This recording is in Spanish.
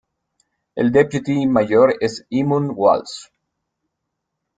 El Deputy Mayor es Eamon Walsh.